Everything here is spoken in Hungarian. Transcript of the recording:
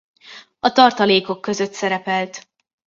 A tartalékok között szerepelt.